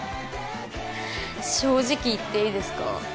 正直言っていいですか？